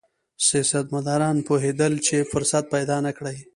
سیاستمداران پوهېدل چې فرصت پیدا نه کړي.